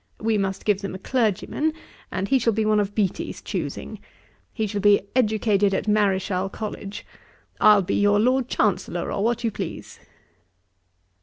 We must give them a clergyman, and he shall be one of Beattie's choosing. He shall be educated at Marischal College. I'll be your Lord Chancellor, or what you please.'